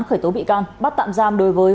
khởi tố bị can bắt tạm giam đối với